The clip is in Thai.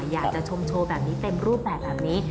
อยากจะชมโชว์แบบนี้เต็มรูปแบบแบบนี้